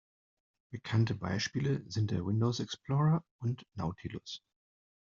Bekannte Beispiele sind der Windows-Explorer und Nautilus.